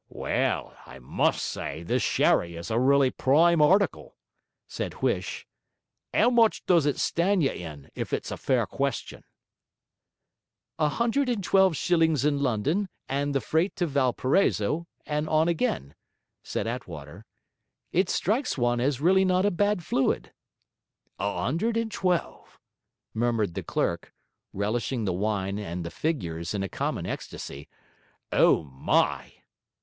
'Well, I must say this sherry is a really prime article,' said Huish. ''Ow much does it stand you in, if it's a fair question?' 'A hundred and twelve shillings in London, and the freight to Valparaiso, and on again,' said Attwater. 'It strikes one as really not a bad fluid.' 'A 'undred and twelve!' murmured the clerk, relishing the wine and the figures in a common ecstasy: 'O my!'